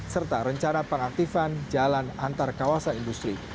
serta rencana pengaktifan jalan antar kawasan industri